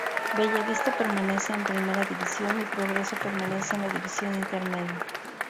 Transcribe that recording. Bella Vista permanece en Primera División y Progreso permanece en la Divisional Intermedia.